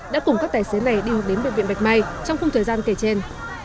đã cùng các tài xế này đi hoặc đến bệnh viện bạch mai trong không thời gian kể trên